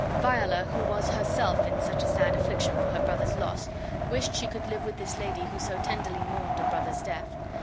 Viola, who was herself in such a sad affliction for her brother's loss, wished she could live with this lady who so tenderly mourned a brother's death.